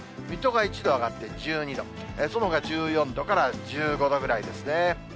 水戸が１度上がって１２度、そのほか１４度から１５度ぐらいですね。